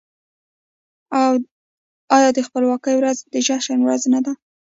آیا د خپلواکۍ ورځ د جشن ورځ نه ده؟